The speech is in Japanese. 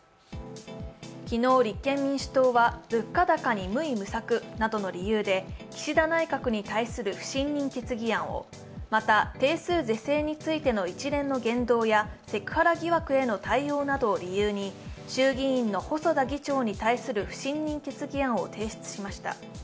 昨日、立憲民主党は物価高に無為無策などの理由で岸田内閣に対する不信任決議案をまた定数是正についての一連の言動やセクハラ疑惑への対応などを理由に衆議院の細田議長に対する不信任決議案を提出しました。